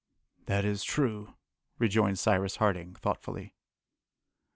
"That is true," rejoined Cyrus Harding thoughtfully.